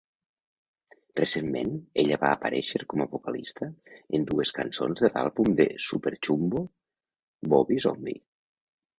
Recentment, ella va aparèixer com a vocalista en dues cançons de l'àlbum de Superchumbo "Wowie Zowie".